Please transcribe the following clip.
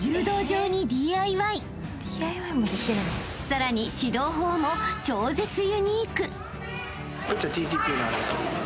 ［さらに指導法も超絶ユニーク］